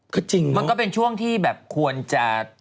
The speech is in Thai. ก็จริงมันก็เป็นช่วงที่แบบควรจะ